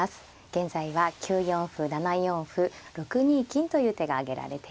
現在は９四歩７四歩６二金という手が挙げられています。